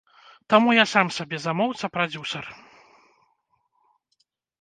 Таму я сам сабе замоўца, прадзюсар.